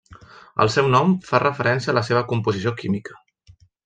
El seu nom fa referència a la seva composició química.